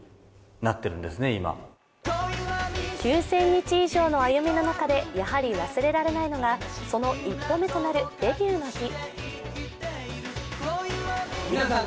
９０００日以上の歩みの中でやはり忘れられないのがその一歩目となるデビューの日。